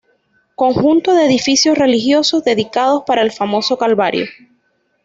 Conjunto de edificios religiosos dedicados para el famoso "Calvario".